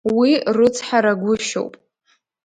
Уи рыцҳарагәышьоуп.